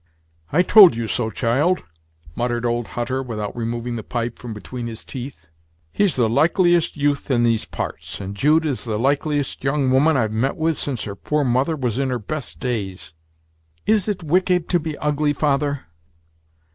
"I told you so, child," muttered old Hutter, without removing the pipe from between his teeth; "he's the likeliest youth in these parts; and Jude is the likeliest young woman I've met with since her poor mother was in her best days." "Is it wicked to be ugly, father?'"